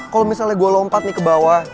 kalau misalnya gue lompat nih ke bawah